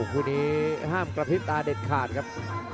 คู่นี้ห้ามกระพริบตาเด็ดขาดครับ